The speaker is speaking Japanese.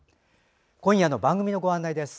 今夜の番組のご案内です。